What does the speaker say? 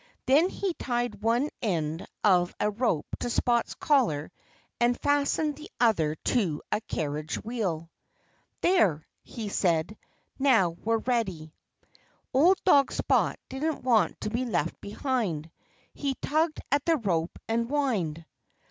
Then he tied one end of a rope to Spot's collar and fastened the other end to a carriage wheel. "There!" he said. "Now we're ready." Old dog Spot didn't want to be left behind. He tugged at the rope and whined.